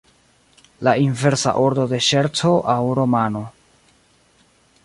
La inversa ordo de ŝerco aŭ romano.